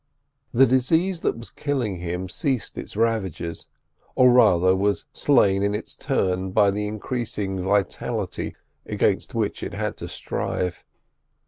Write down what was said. The disease that was killing him ceased its ravages, or rather was slain in its turn by the increased vitality against which it had to strive.